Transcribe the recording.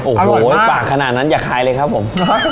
โอ้โหปากขนาดนั้นอย่าขายเลยครับผม